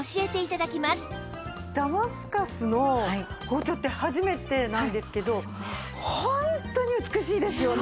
ダマスカスの包丁って初めてなんですけどホントに美しいですよね！